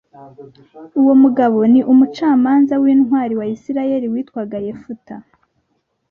uwo mugabo ni umucamanza w intwari wa isirayeli witwaga yefuta